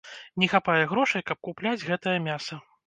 Не хапае грошай, каб купляць гэтае мяса.